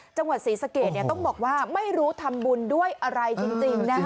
จังหวัดศรีสะเกดต้องบอกว่าไม่รู้ทำบุญด้วยอะไรจริง